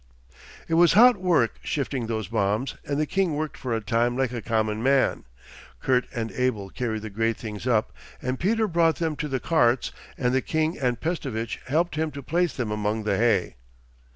It was hot work shifting those bombs, and the king worked for a time like a common man. Kurt and Abel carried the great things up and Peter brought them to the carts, and the king and Pestovitch helped him to place them among the hay.